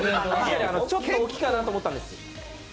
ちょっと大きいかなと思ったんですよ。